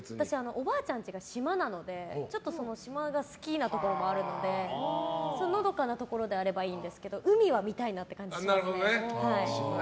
おばあちゃんちが島なので島が好きなところがあるのでのどかなところであればいいんですけど海は見たいなという感じはしますね。